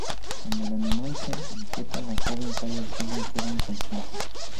Cuando el animal se inquieta, la joven cae al suelo y queda inconsciente.